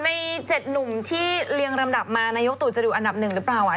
แต่ว่าอยู่ใน๗หนุ่มที่เลี้ยงลำดับมานายกตู่จะอยู่อันดับ๑หรือเปล่า